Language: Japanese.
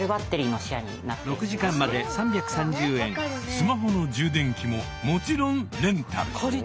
スマホの充電器ももちろんレンタル。